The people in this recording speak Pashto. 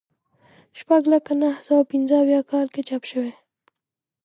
شپږ لکه نهه سوه پنځه اویا کال کې چاپ شوی.